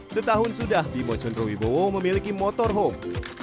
setahun sudah bimo condrowi bowo memiliki motorhome